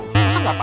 nggak usah nanya